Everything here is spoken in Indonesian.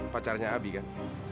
pacarnya abi kan